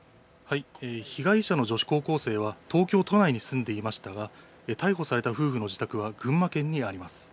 被害者の女子高校生は東京都内に住んでいましたが逮捕された夫婦の自宅は群馬県にあります。